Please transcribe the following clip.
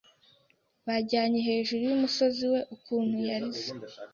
Bajyanye hejuru yumusozi we ukuntu yarize